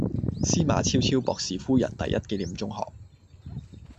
司馬昭昭博士夫人第一紀念中學